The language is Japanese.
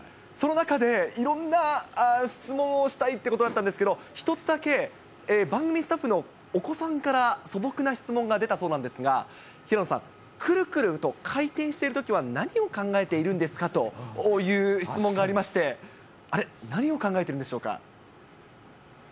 その中でいろんな質問をしたいということだったんですけど、１つだけ、番組スタッフのお子さんから素朴な質問が出たそうなんですが、平野さん、くるくると回転しているときは、何を考えているんですか？という質問がありまして、あれ、何を考えているんでしょうか？